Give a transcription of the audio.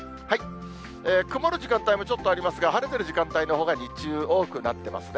曇る時間帯もちょっとありますが、晴れてる時間帯のほうが日中、多くなってますね。